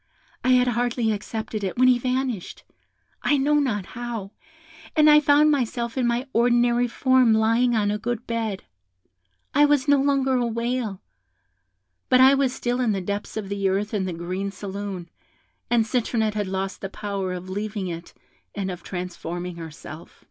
I had hardly accepted it, when he vanished, I know not how, and I found myself in my ordinary form, lying on a good bed; I was no longer a whale, but I was still in the depths of the earth in the green saloon, and Citronette had lost the power of leaving it and of transforming herself.